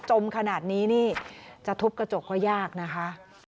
มขนาดนี้นี่จะทุบกระจกก็ยากนะคะ